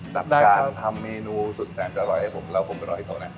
จากการทำเมนูสุดแสนจะอร่อยให้ผมแล้วผมไปรอให้เขานะ